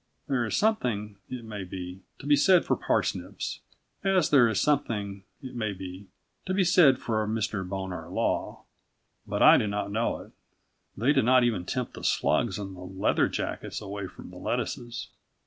There is something, it may be, to be said for parsnips, as there is something, it may be, to be said for Mr Bonar Law. But I do not know it. They do not even tempt the slugs and the leather jackets away from the lettuces.